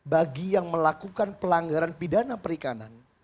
bagi yang melakukan pelanggaran pidana perikanan